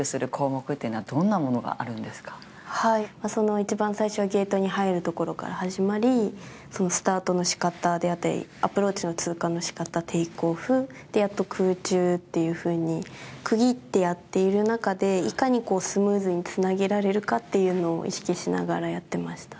一番最初はゲートに入るところから始まりそのスタートの仕方であったりアプローチの仕方でやっと空中っていうふうに区切ってやっている中でいかにスムーズに繋げられるかっていうのを意識しながらやってました。